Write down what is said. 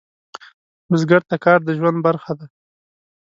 بزګر ته کار د ژوند برخه ده